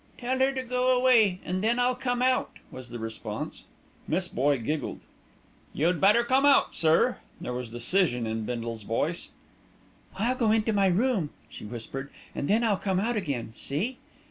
"Tell her to go away, and then I'll come out," was the response. Miss Boye giggled. "You'd better come out, sir." There was decision in Bindle's voice. "I'll go into my room," she whispered, "and then I'll come out again, see?"